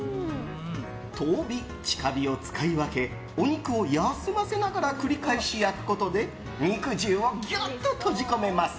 遠火・近火を使い分けお肉を休ませながら繰り返し焼くことで肉汁をギュッと閉じ込めます。